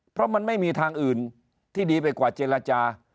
เพราะมันไม่มีทางอื่นที่ดีไปกว่าเจรจา